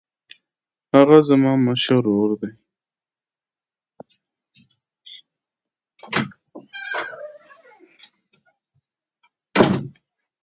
هغه زما مشر ورور دی.